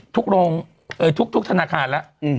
ทุกลงทุกธนาคารแล้ว